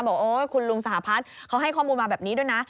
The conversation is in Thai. บอกว่าคุณลุงสหพาทเขาให้ข้อมูลมาแบบนี้ด้วยนะ